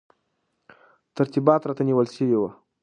ترتیبات راته نیول شوي وو.